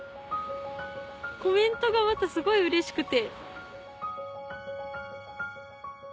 コメントがまたすごいうれしくて。